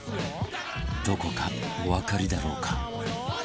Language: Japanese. どこかおわかりだろうか？